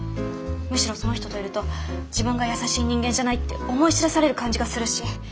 むしろその人といると自分が優しい人間じゃないって思い知らされる感じがするし。